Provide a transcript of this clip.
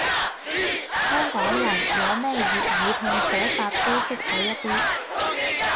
香港人，攞咩粵語拼寫法都識睇一啲